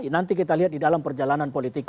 nanti kita lihat di dalam perjalanan politiknya